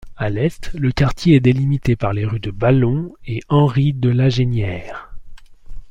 À l'est le quartier est délimité par les rues de Ballon et Henry Delagénière.